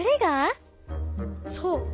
そう。